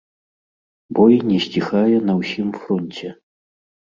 Бой не сціхае на ўсім фронце.